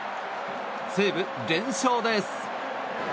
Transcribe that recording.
西武、連勝です。